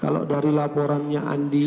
kalau dari laporannya andi